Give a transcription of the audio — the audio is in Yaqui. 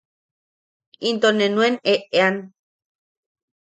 Into ne nuen eʼean.